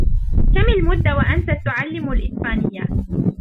كم المدة وأنتَ تُعلم الإسبانية؟